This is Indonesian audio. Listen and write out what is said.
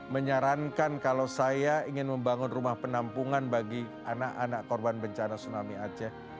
menyarankan kalau saya ingin membangun rumah penampungan bagi anak anak korban bencana tsunami aceh